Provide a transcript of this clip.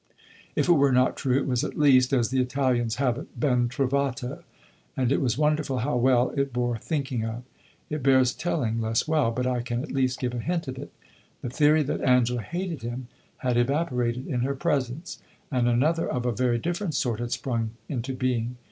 If it were not true it was at least, as the Italians have it, ben trovato, and it was wonderful how well it bore thinking of. It bears telling less well; but I can at least give a hint of it. The theory that Angela hated him had evaporated in her presence, and another of a very different sort had sprung into being.